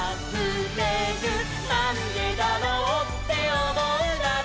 「なんでだろうっておもうなら」